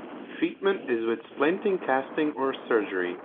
Treatment is with splinting, casting or surgery.